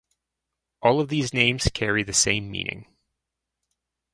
All of these names carry the same meaning.